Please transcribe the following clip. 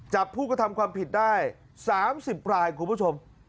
จับผู้กระทำความผิดได้๓๐รายคุณผู้ชม